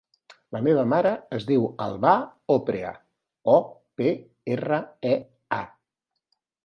La meva mare es diu Albà Oprea: o, pe, erra, e, a.